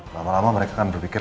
lama lama mereka kan berpikir